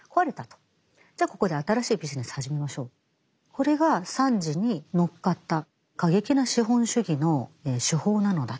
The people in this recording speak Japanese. これが惨事に乗っかった過激な資本主義の手法なのだと。